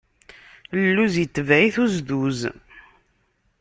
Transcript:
Lluz itebaɛ-it uzduz.